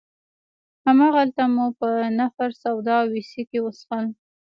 هماغلته مو په نفر سوډا او ویسکي وڅښل.